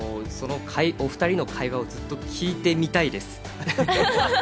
そのお２人の会話をずっと聞いてみたいです。